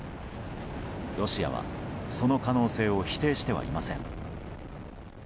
ロシアは、その可能性を否定してはいません。